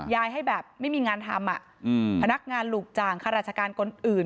ให้แบบไม่มีงานทำพนักงานหลุกจ่างข้าราชการคนอื่น